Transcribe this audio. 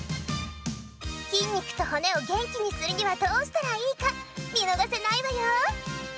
筋肉と骨をげんきにするにはどうしたらいいかみのがせないわよ！